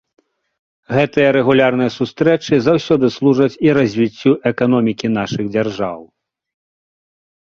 Гэтыя рэгулярныя сустрэчы заўсёды служаць і развіццю эканомікі нашых дзяржаў.